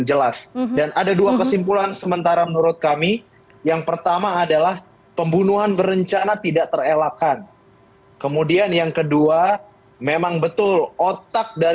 kalau kita lihat dari dakwaan bahwa sambo menembak bukan hajar